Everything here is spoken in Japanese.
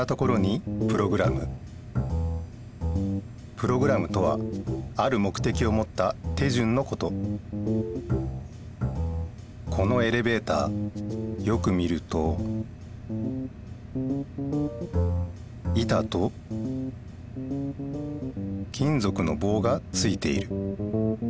プログラムとはある目てきをもった手順のことこのエレベーターよく見ると板と金ぞくのぼうがついている。